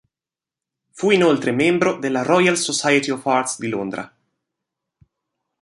Fu inoltre membro della Royal Society of Arts di Londra.